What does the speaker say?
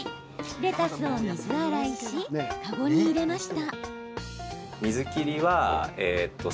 レタスを水洗いし籠に入れました。